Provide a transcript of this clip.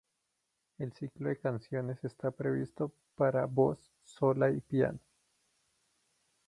El ciclo de canciones está previsto para voz sola y piano.